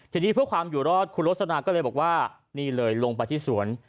ทีนี้เพื่อความอยู่รอดคุณโรสนาก็เลยบอกว่านี่เลยลงไปที่สวน